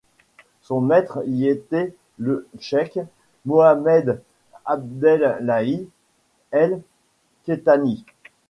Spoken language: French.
Son maître y était le Cheikh Mohamed Abdelhaye El Kettani.